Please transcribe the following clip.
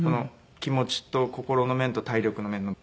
気持ちと心の面と体力の面の。